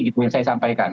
itu yang saya sampaikan